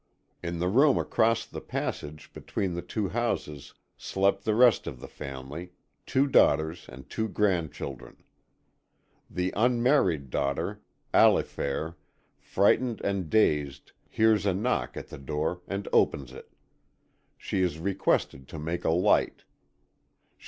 In the room across the passage between the two houses slept the rest of the family, two daughters and two grandchildren. The unmarried daughter, Allifair, frightened and dazed, hears a knock at the door and opens it. She is requested to make a light.